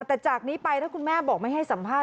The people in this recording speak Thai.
แต่จากนี้ไปถ้าคุณแม่บอกไม่ให้สัมภาษ